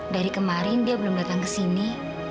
dari kemarin dia belum datang ke sini